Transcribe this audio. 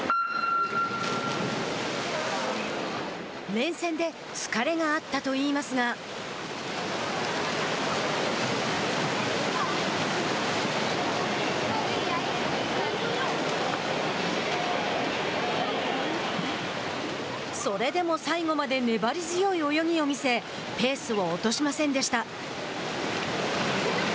連戦で疲れがあったとといいますがそれでも最後まで粘り強い泳ぎを見せペースを落としませんでした。